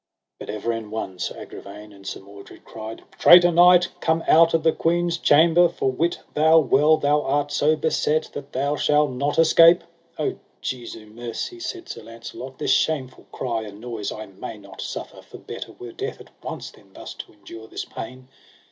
But ever in one Sir Agravaine and Sir Mordred cried: Traitor knight, come out of the queen's chamber, for wit thou well thou art so beset that thou shalt not escape. O Jesu mercy, said Sir Launcelot, this shameful cry and noise I may not suffer, for better were death at once than thus to endure this pain.